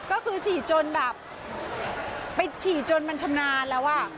ก็คือฉี่จนแบบไปฉี่จนมันชำนาญแล้ว